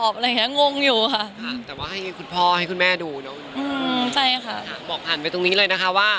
บอกผ่านไปตรงนี้เลยนะคะว่า